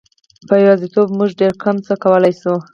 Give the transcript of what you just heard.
په یوازیتوب موږ ډېر کم څه کولای شو.